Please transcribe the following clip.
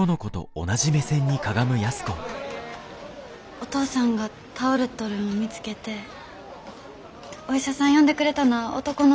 お父さんが倒れとるんを見つけてお医者さん呼んでくれたなあ